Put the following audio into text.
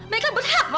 mereka berhak ma